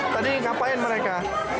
jadi ngapain mereka